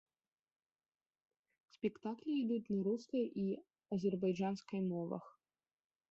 Спектаклі ідуць на рускай і азербайджанскай мовах.